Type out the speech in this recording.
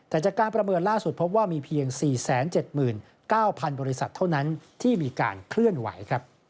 แต่จากการประเมินล่าสุดพบว่ามีเพียง๔๗๙๐๐บริษัทเท่านั้นที่มีการเคลื่อนไหว